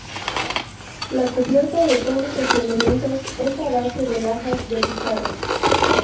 La cubierta de todos los elementos es a base de lajas de pizarra.